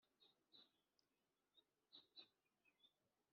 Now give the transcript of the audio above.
Ariko nkomeza kuririmba mu bitaramo